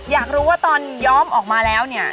อยากรู้ว่าตอนย้อมออกมาแล้วเนี่ย